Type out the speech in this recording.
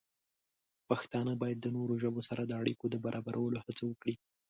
پښتانه باید د نورو ژبو سره د اړیکو د برابرولو هڅه وکړي.